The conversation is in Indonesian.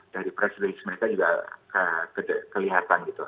dari presiden amerika juga kelihatan gitu